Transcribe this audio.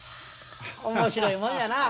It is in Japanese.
面白いもんやなあ。